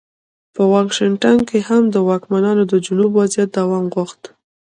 په واشنګټن کې هم واکمنانو د جنوب وضعیت دوام غوښت.